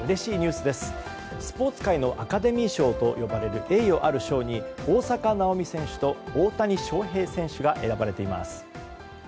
スポーツ界のアカデミー賞といわれる栄誉ある賞に大坂なおみ選手と大谷翔平選手が選ばれています。